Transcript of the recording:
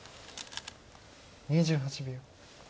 ２８秒。